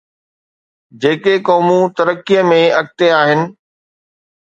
جيڪي قومون ترقيءَ ۾ اڳتي آهن.